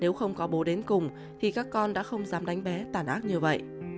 nếu không có bố đến cùng thì các con đã không dám đánh bé tàn ác như vậy